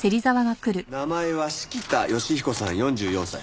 名前は式田芳彦さん４４歳。